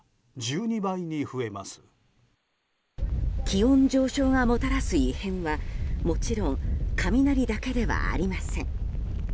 気温上昇がもたらす異変はもちろん雷だけではありません。